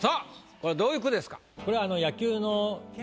これどういう句ですか？